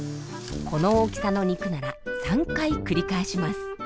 この大きさの肉なら３回繰り返します。